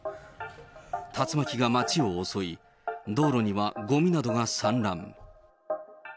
竜巻が街を襲い、道路にはごみなどが散乱。